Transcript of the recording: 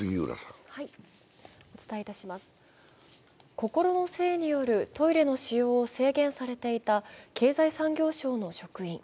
心の性によるトイレの使用を制限されていた経済産業省の職員。